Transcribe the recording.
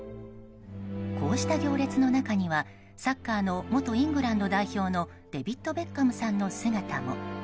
こうした行列の中にはサッカーの元イングランド代表のデビッド・ベッカムさんの姿も。